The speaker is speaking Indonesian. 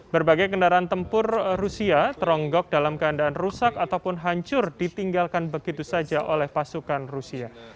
berbagai kendaraan tempur rusia teronggok dalam keadaan rusak ataupun hancur ditinggalkan begitu saja oleh pasukan rusia